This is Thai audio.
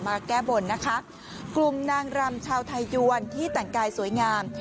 แก้บนนะคะกลุ่มนางรำชาวไทยยวนที่แต่งกายสวยงาม